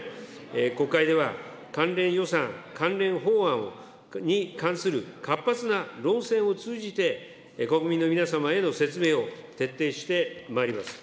国会では、関連予算、関連法案に関する活発な論戦を通じて、国民の皆様への説明を徹底してまいります。